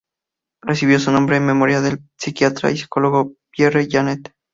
Recibió su nombre en memoria del psiquiatra y psicólogo Pierre Janet.